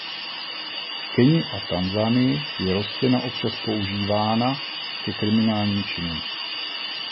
V Keni a Tanzanii je rostlina občas používána ke kriminálním činům.